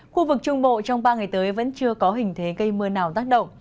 khu vực trung bộ trong ba ngày tới vẫn chưa có hình thế cây mưa nào tác động